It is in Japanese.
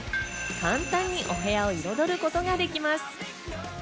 簡単にお部屋を彩ることができます。